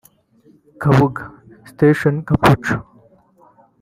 Kabuga - Station Gapco